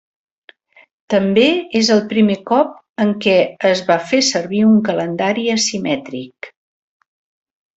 També és el primer cop en què es va fer servir un calendari asimètric.